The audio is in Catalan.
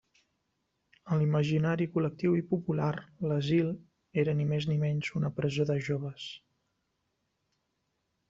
En l'imaginari col·lectiu i popular, l'asil era ni més ni menys una presó de joves.